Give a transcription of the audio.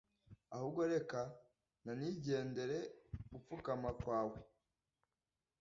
ahubwo reka nanigendere gupfukama kwawe